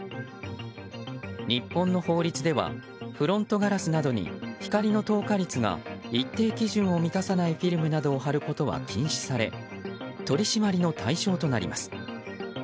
日本の法律ではフロントガラスなどに光の透過率が一定基準を満たさないフィルムなどを貼ることは禁止され取り締まりの対象となります。